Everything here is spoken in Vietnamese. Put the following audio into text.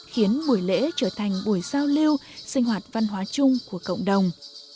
khiến buổi lễ trở thành buổi giao lưu sinh hoạt văn hóa chung của cộng đồng